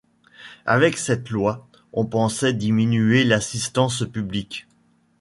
Avec cette loi, on pensait diminuer l’assistance publique.